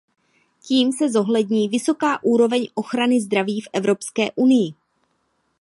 Tím se zohlední vysoká úroveň ochrany zdraví v Evropské unii.